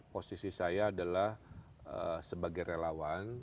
posisi saya adalah sebagai relawan